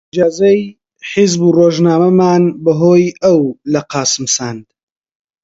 ئیجازەی حیزب و ڕۆژنامەمان بە هۆی ئەو لە قاسم ساند